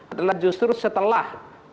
adalah justru setelah